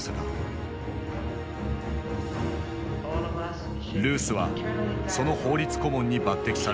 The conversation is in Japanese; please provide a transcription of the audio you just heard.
ルースはその法律顧問に抜てきされたのだ。